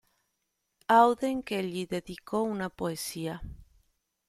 Auden, che gli dedicò una poesia.